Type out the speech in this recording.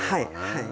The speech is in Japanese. はい。